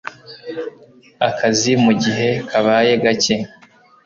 akazi mu gihe kabaye gake.